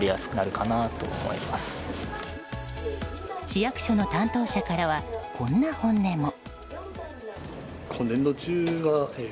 市役所の担当者からはこんな本音も。